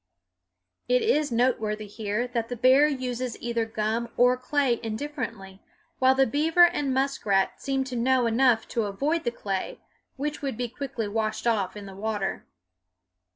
It is noteworthy here that the bear uses either gum or clay indifferently, while the beaver and muskrat seem to know enough to avoid the clay, which would be quickly washed off in the water.